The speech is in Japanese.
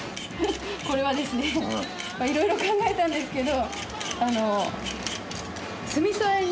これはですねいろいろ考えたんですけど。